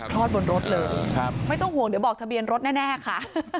อดบนรถเลยไม่ต้องห่วงเดี๋ยวบอกทะเบียนรถแน่ค่ะ